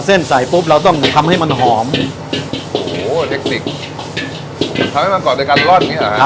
พอเส้นใส่ปุ๊บเราต้องทำให้มันหอมโหเทคติกทำให้มันกรอบโดยการร่อนนี่หรอครับ